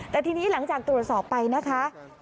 แต่ทีนี้หลังจากตรวจสอบไปนะคะ